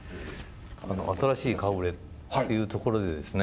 新しい顔ぶれというところでですね